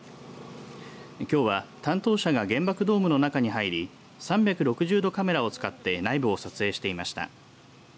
きょうは、担当者が原爆ドームの中に入り３６０度カメラを使って内部を撮影していました。